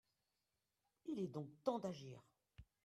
Il est donc temps d’agir